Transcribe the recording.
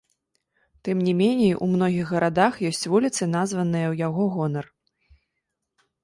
Тым не меней у многіх гарадах ёсць вуліцы, названыя ў яго гонар.